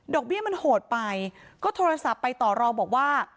เบี้ยมันโหดไปก็โทรศัพท์ไปต่อรองบอกว่า